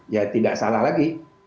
ya tidak salah lagi